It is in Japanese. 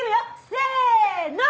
せの！